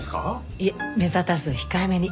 いえ目立たず控えめに。